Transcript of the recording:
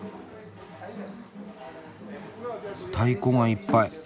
太鼓がいっぱい。